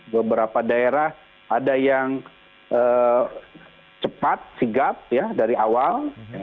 beberapa daerah ada yang cepat sigap ya dari awal